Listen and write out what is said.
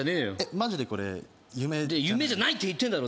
マジでこれ夢じゃないって言ってんだろ